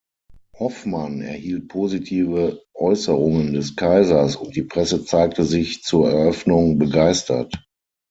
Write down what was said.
Hoffmann erhielt positive Äußerungen des Kaisers und die Presse zeigte sich zur Eröffnung begeistert.